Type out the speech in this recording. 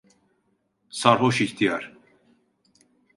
Sarhoş ihtiyar!